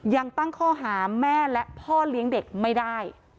ยังตั้งข้อหาแม่และพ่อเลี้ยงเด็กไม่ได้